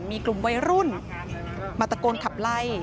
มีกลุ่มวัยรุ่นมาตะโกนขับไล่